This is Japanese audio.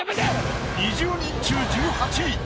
２０人中１８位。